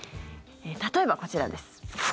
例えばこちらです。